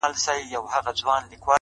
خدای په ژړا دی، خدای پرېشان دی،